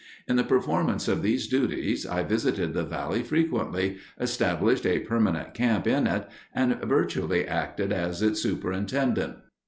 In the performance of these duties I visited the Valley frequently, established a permanent camp in it and virtually acted as its Superintendent."